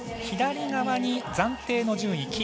左側に暫定の順位。